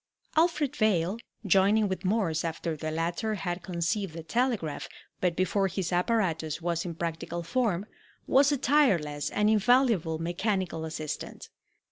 Alfred Vail, joining with Morse after the latter had conceived the telegraph, but before his apparatus was in practical form, was a tireless and invaluable mechanical assistant.